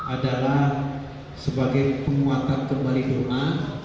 adalah sebagai penguatan kembali doma